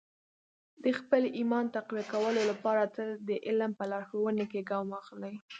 د خپل ایمان تقویه کولو لپاره تل د علم په لارښوونو کې ګام واخلئ.